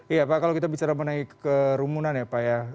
iya pak kalau kita bicara mengenai kerumunan ya pak ya